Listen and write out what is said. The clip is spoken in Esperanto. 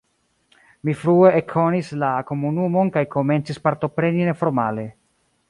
Mi frue ekkonis la komunumon kaj komencis partopreni neformale.